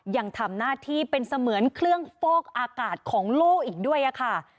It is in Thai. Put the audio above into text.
ยังทำหน้าที่เป็นเสมือนเครื่องฟอกอากาศของโลกอีกด้วยค่ะ